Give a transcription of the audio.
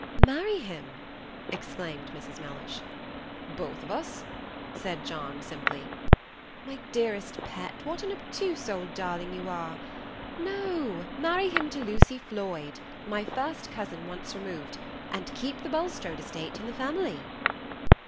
"Marry him!" exclaimed Mrs. Mellish. "Both of us?" said John, simply. "My dearest pet, what an obtuse old darling you are! No; marry him to Lucy Floyd, my first cousin once removed, and keep the Bulstrode estate in the family."